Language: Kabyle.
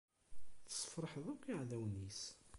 Tesferḥeḍ akk iɛdawen-is.